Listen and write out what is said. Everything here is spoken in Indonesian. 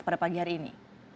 pada pagi hari ini